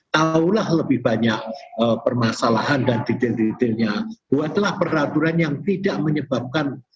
tahulah lebih banyak permasalahan dan detail detailnya buatlah peraturan yang tidak menyebabkan